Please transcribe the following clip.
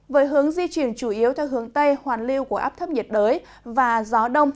với hướng di chuyển chủ yếu theo hướng tây hoàn lưu của áp thấp nhiệt đới và gió đông